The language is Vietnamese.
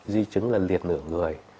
di chứng là liệt nửa người